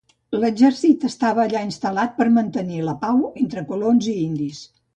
L'exèrcit estava allà instal·lat per mantenir la pau entre colons i indis.